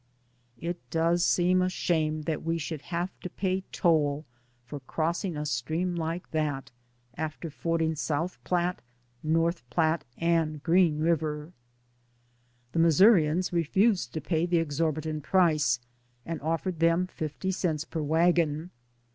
It does seem a shame that we should have :242 DAYS ON THE ROAD. to pay toll for crossing a stream like that, after fording South Platte, North Platte and Green River. The Missourians refused to pay the ex orbitant price, and offered them fifty cents per wagon.